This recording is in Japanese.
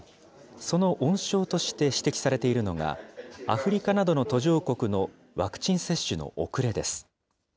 その温床として指摘されているのが、アフリカなどの途上国のワクチン接種の遅れです。